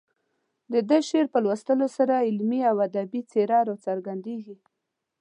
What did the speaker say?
د دغه شعر په لوستلو سره علمي او ادبي څېره راڅرګندېږي.